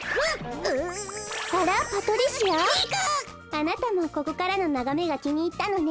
あなたもここからのながめがきにいったのね。